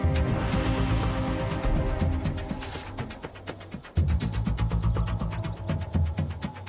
berhenti berjudul baik baik